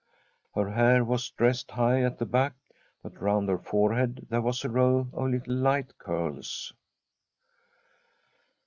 Her hair was dressed high at the back, but round her forehead there was a row of little light curls.